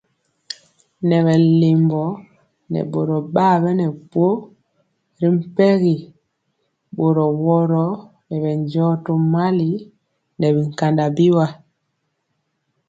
Nɛ bɛ lɛmbɔ nɛ boro bar bɛnɛ gkɔ y mpegi boro woro bɛndiɔ tomali nɛ bikanda biwa.